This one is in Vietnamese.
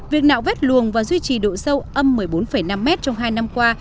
việc nạo vét luồng và duy trì độ sâu âm một mươi bốn năm mét trong hai năm qua